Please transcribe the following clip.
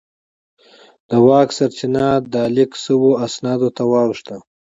د واک سرچینه د لیک شوو اسنادو ته واوښته.